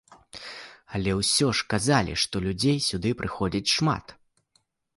Але ўсё ж сказалі, што людзей сюды прыходзіць шмат.